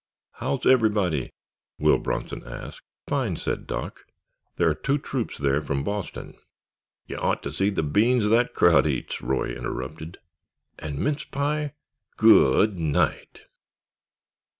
"How's everybody?" Will Bronson asked. "Fine," said Doc. "There's two troops there from Boston——" "You ought to see the beans that crowd eats," Roy interrupted; "and mince pie—go o odnight!"